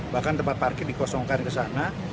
bahkan tempat parkir dikosongkan ke sana